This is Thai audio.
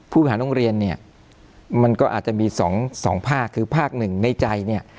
บริหารโรงเรียนเนี่ยมันก็อาจจะมีสองภาคคือภาคหนึ่งในใจเนี่ย